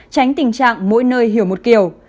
tránh tình trạng mỗi nơi hiểu một kiểu